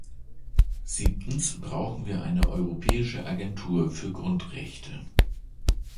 Siebtens brauchen wir eine Europäische Agentur für Grundrechte.